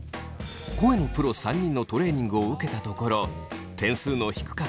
声のプロ３人のトレーニングを受けたところ点数の低かったメンバーは。